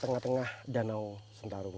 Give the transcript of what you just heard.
tengah tengah danau sentarung